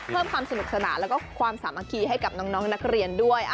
เพิ่มความสนุกสนานแล้วก็ความสามัคคีให้กับน้องนักเรียนด้วย